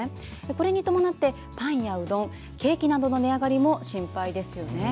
これに伴って、パンやうどんケーキなどの値上がりも心配ですよね。